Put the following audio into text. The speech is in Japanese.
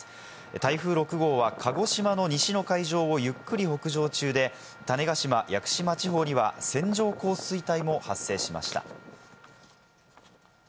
台風６号は鹿児島の西の海上をゆっくり北上中で、種子島・屋久島地方には線状降水帯も発生しました。